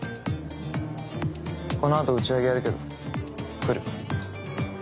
このあと打ち上げやるけど来る？